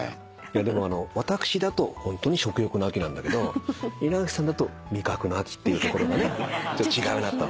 でも私だとホントに食欲の秋なんだけど稲垣さんだと味覚の秋っていうところがね違うなと。